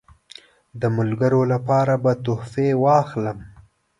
د ملګرو لپاره به تحفې واخلم.